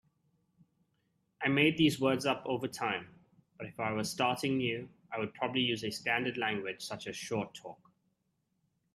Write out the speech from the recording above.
I made these words up over time, but if I were starting new I would probably use a standard language such as Short Talk.